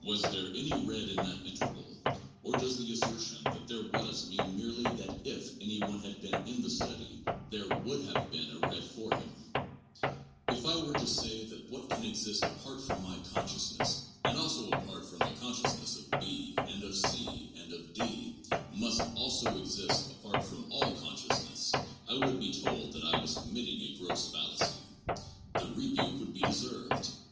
Was there any red in that interval, or does the assertion that there was mean merely that if any one had been in the study there would have been a red for him 1 If I were to say that what can exist apart from my consciousness and also apart from the consciousness of B and of C and of D must also exist apart from all consciousness, I should be told that I was committing a gross fallacy. The rebuke would be deserved.